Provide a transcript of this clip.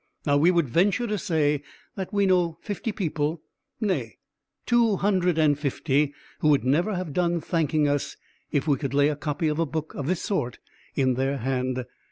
Now we would venture to say that we know fifty people nay, two hundred and fifty who would never have done thanking us if we could lay a copy of a book of this sort in their hand.